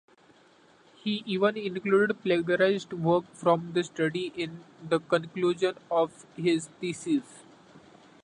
He even included plagiarized work from the study in the conclusion of his thesis.